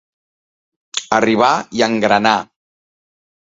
Arribar i engranar.